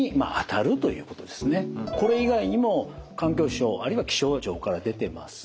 これ以外にも環境省あるいは気象庁から出てます